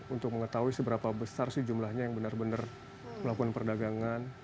untuk mengetahui seberapa besar sih jumlahnya yang benar benar melakukan perdagangan